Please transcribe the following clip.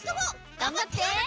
がんばって！